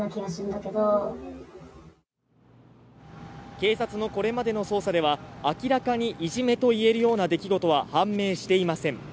警察のこれまでの捜査では明らかにいじめと言えるような出来事は判明していません。